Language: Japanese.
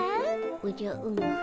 おじゃうむ